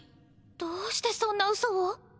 どうしてそんなウソを？